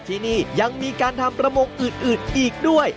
ที่นี่ยังมีการทำประมงอื่นอีกด้วย